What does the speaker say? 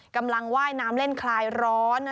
กำลังว่ายน้ำเล่นคลายร้อน